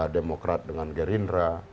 demokrat dengan gerindra